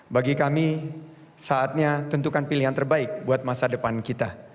bagi kami saatnya tentukan pilihan terbaik buat masa depan kita